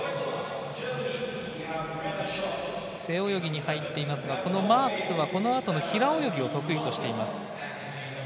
背泳ぎに入っていますがマークスはこのあとの平泳ぎを得意としています。